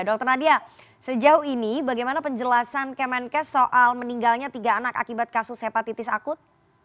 dr nadia sejauh ini bagaimana penjelasan kemenkes soal meninggalnya tiga anak akibat kasus hepatitis akut